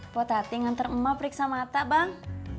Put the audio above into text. buat hati ngantar emak periksa mata bang